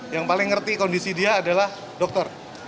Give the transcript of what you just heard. yang paling ngerti kondisi dia adalah dokter